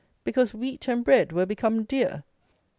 _Because wheat and bread were become dear!